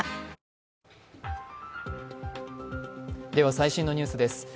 最新のニュースです。